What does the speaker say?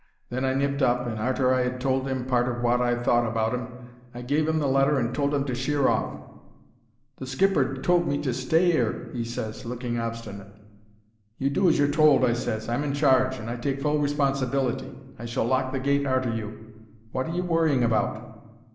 Then I nipped up, and arter I 'ad told 'im part of wot I thought about 'im I gave 'im the letter and told 'im to sheer off. "'The skipper told me to stay 'ere,' he ses, looking obstinate. "'You do as you're told,' I ses. 'I'm in charge, and I take full responsibility. I shall lock the gate arter you. Wot are you worrying about?'